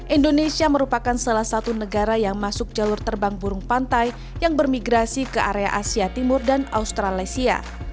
indonesia merupakan salah satu negara yang masuk jalur terbang burung pantai yang bermigrasi ke area asia timur dan australisia